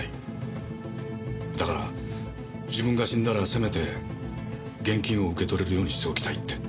だから自分が死んだらせめて現金を受け取れるようにしておきたいって。